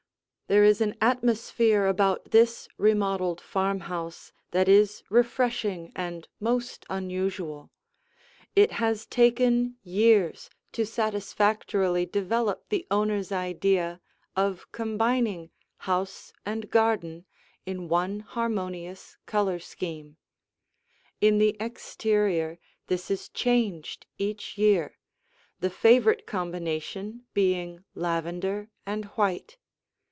There is an atmosphere about this remodeled farmhouse that is refreshing and most unusual. It has taken years to satisfactorily develop the owner's idea of combining house and garden in one harmonious color scheme. In the exterior this is changed each year, the favorite combination being lavender and white.